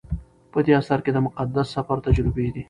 په دې اثر کې د مقدس سفر تجربې دي.